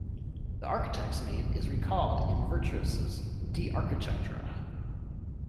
The architect's name is recalled in Vitruvius's "De architectura".